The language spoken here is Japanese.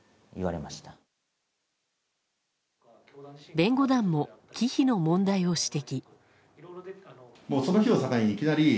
弁護団も忌避の問題を指摘。